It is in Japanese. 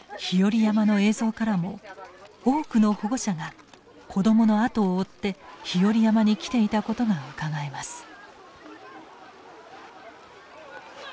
日和山の映像からも多くの保護者が子どものあとを追って日和山に来ていたことがうかがえます。